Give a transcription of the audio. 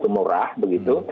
begitu murah begitu